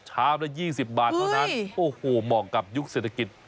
ชาวละ๒๐บาทเท่านั้นโหหลังกับยุคเสียงนักบังวล๑๖